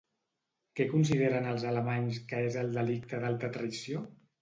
Què consideren els alemanys que és el delicte d'alta traïció?